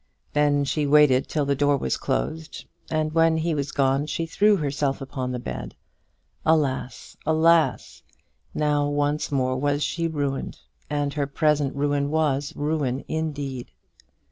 Then she waited till the door was closed, and when he was gone she threw herself upon the bed. Alas! alas! Now once more was she ruined, and her present ruin was ruin indeed.